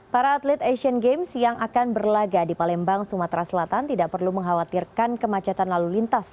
para atlet asian games yang akan berlaga di palembang sumatera selatan tidak perlu mengkhawatirkan kemacetan lalu lintas